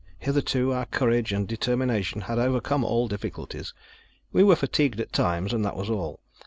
Hitherto our courage and determination had overcome all difficulties. We were fatigued at times; and that was all.